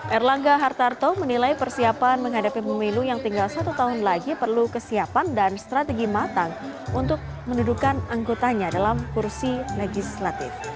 erlangga hartarto menilai persiapan menghadapi pemilu yang tinggal satu tahun lagi perlu kesiapan dan strategi matang untuk mendudukan anggotanya dalam kursi legislatif